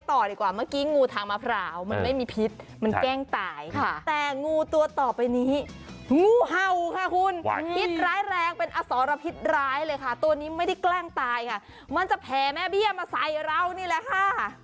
ต่อดีกว่าเมื่อกี้งูทางมะพร้าวมันไม่มีพิษมันแกล้งตายแต่งูตัวต่อไปนี้งูเห่าค่ะคุณพิษร้ายแรงเป็นอสรพิษร้ายเลยค่ะตัวนี้ไม่ได้แกล้งตายค่ะมันจะแผ่แม่เบี้ยมาใส่เรานี่แหละค่ะ